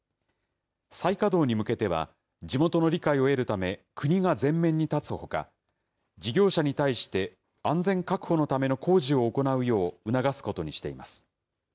再稼働に向けては、地元の理解を得るため、国が前面に立つほか、事業者に対して、安全確保のための工事を行うよう促すことにしています。